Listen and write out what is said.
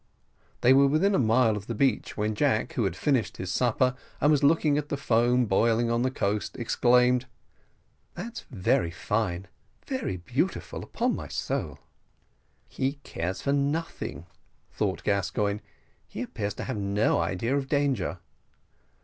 They were within a mile of the beach, when Jack, who had finished his supper, and was looking at the foam boiling on the coast, exclaimed: "That's very fine very beautiful, upon my soul!" "He cares for nothing," thought Gascoigne; "he appears to have no idea of danger."